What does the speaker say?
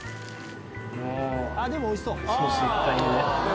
あっおいしそう！